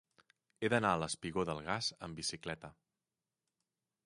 He d'anar al espigó del Gas amb bicicleta.